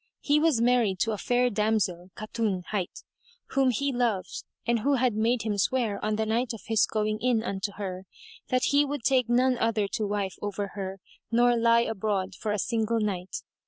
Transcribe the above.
He was married to a fair damsel, Khátún[FN#184] hight, whom he loved and who had made him swear, on the night of his going in unto her, that he would take none other to wife over her nor lie abroad for a single night.